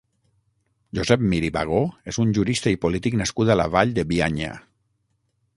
Josep Mir i Bagó és un jurista i polític nascut a la Vall de Bianya.